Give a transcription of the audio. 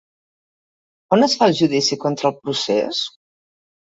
On es fa el judici contra el procés?